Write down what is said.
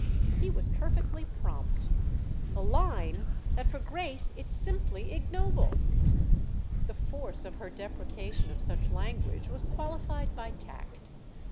He was perfectly prompt. "The line that for Grace it's simply ignoble." The force of her deprecation of such language was qualified by tact.